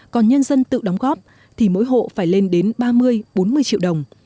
còn nhân dân tự đóng góp thì mỗi hộ phải lên đến ba mươi bốn mươi triệu đồng